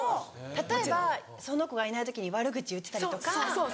例えばその子がいない時に悪口言ってたりとか。